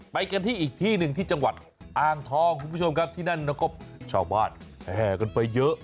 ไปกันที่อีกที่หนึ่งที่จังหวัดอ่างทองคุณผู้ชมครับที่นั่นแล้วก็ชาวบ้านแห่กันไปเยอะ